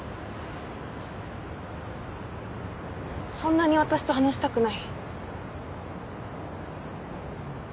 そんなに私と話したくない？